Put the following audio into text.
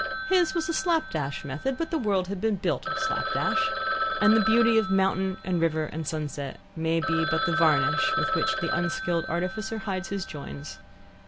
His was a slap dash method, but the world has been built slap dash, and the beauty of mountain and river and sunset may be but the varnish with which the unskilled artificer hides his joins.